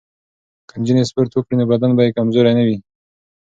که نجونې سپورت وکړي نو بدن به یې کمزوری نه وي.